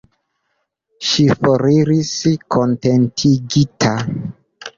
Ŝi foriris kontentigita.